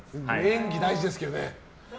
演技大事ですけどね。